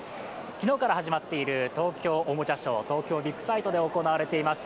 昨日から始まっている東京のおもちゃショー東京ビックサイトやっています。